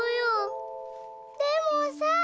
「でもさ」。